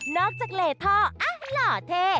นอกจากเหล่ท่ออะหล่อเท